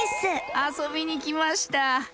あそびにきました。